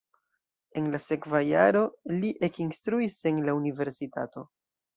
En la sekva jaro li ekinstruis en la universitato.